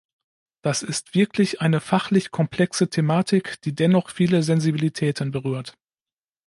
Das ist wirklich eine fachlich komplexe Thematik, die dennoch viele Sensibilitäten berührt.